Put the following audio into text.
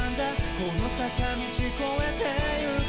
この坂道超えて行くと」